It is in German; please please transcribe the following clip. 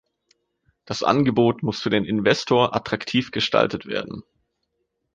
Das Angebot muss für den Investor attraktiv gestaltet werden.